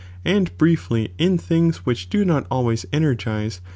tnj and briefly in things which do not always energize, '°"'™''"ieii.